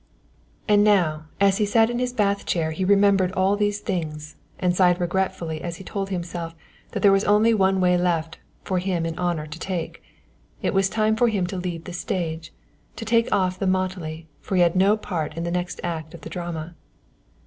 And now as he sat in his bath chair he remembered all these things, and sighed regretfully as he told himself that there was only one way left for him in honour to take. It was time for him to leave the stage, to take off the motley, for he had no part in the next act of the drama.